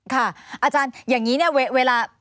ค่ะอาจารย์อย่างนี้เวลา